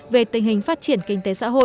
về tình hình phát triển kinh tế xã hội